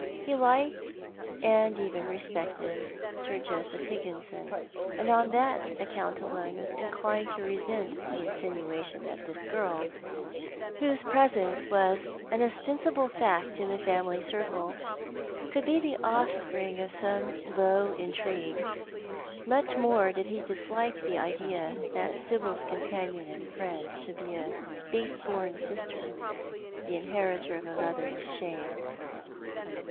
He liked, and even respected. Sir Joseph Higginson, and on that account alone was inclined to resent the insinuation that this girl, whose presence was an ostensible fact in the family circle, could be the offspring of some low intrigue. Much more did he dislike the idea that Sibyl's companion and friend should be a baseborn sister, the inheritor of a mother's shame.